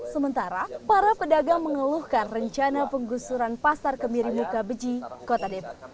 sementara para pedagang mengeluhkan rencana penggusuran pasar kemiri muka beji kota depok